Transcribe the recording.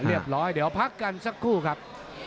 เรียบร้อยเดี๋ยวพักกันสักครู่ครับ